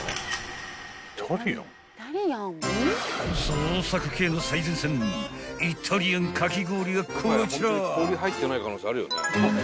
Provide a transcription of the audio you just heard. ［創作系の最前線イタリアンかき氷がこちら］